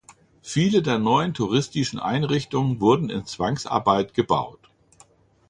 Viele der neuen touristischen Einrichtungen wurden in Zwangsarbeit gebaut.